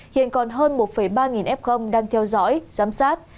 hiện còn hơn một ba f đang theo dõi giám sát